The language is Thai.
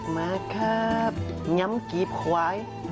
มาครับงำกีบควาย